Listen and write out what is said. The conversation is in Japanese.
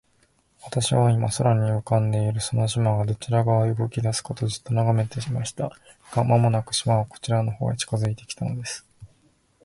私は、今、空に浮んでいるその島が、どちら側へ動きだすかと、じっと眺めていました。が、間もなく、島はこちらの方へ近づいて来たのです。